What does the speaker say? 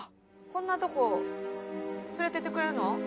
こんなとこ連れてってくれるの？